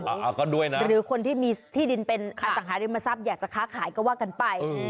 เอาก็ด้วยนะหรือคนที่มีที่ดินเป็นอสังหาริมทรัพย์อยากจะค้าขายก็ว่ากันไป